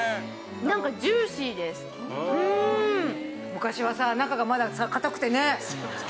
昔はさ中がまださ硬くてね。